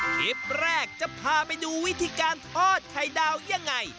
คลิปแรกจะพาไปดูวิธีการทอดไข่ดาวยังไง